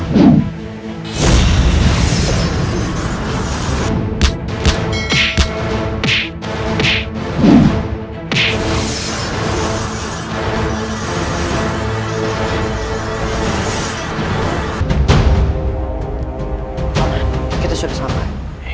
pak man kita sudah sampai